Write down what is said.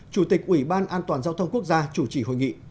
chủ tịch ủy ban an toàn giao thông quốc gia chủ trì hội nghị